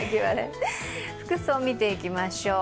服装見ていきましょう。